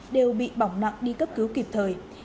đều bị bỏng nặng đi cấp cứu kịp thời